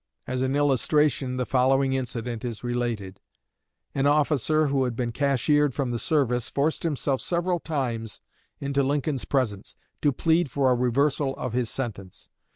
As an illustration the following incident is related: An officer who had been cashiered from the service, forced himself several times into Lincoln's presence, to plead for a reversal of his sentence.